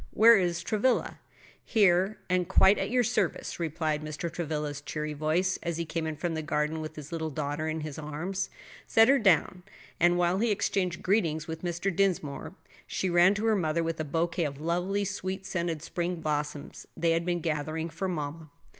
Where is Travilla?" "Here, and quite at your service," replied Mr. Travilla's cheery voice, as he came in from the garden with his little daughter in his arms. He set her down, and while he exchanged greetings with Mr. Dinsmore, she ran to her mother with a bouquet of lovely sweet scented spring blossoms they had been gathering "for mamma."